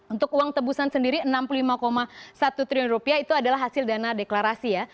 untuk uang tebusan sendiri enam puluh lima satu triliun rupiah itu adalah hasil dana deklarasi ya